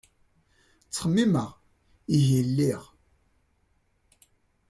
Ttxemmimeɣ, ihi lliɣ.